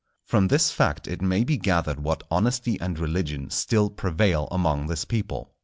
From this fact it may be gathered what honesty and religion still prevail among this people.